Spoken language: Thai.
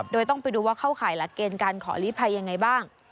โดยต้องไปดูว่าเข้าข่ายหลักเกณฑ์การขอลีภัยยังไงบ้าง